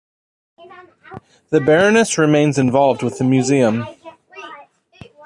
The Baroness remains involved with the museum.